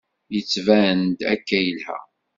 Yettban-d akka yelha.